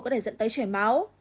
có thể dẫn tới trẻ máu